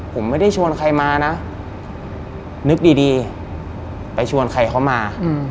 ผมไม่ได้ชวนใครมานะนึกดีไปชวนใครเขามา